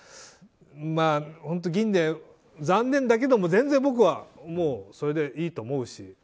本当、銀で残念だけど全然僕はそれでいいと思うし。